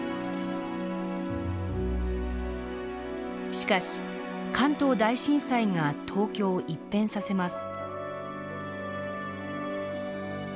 しかし関東大震災が東京を一変させます。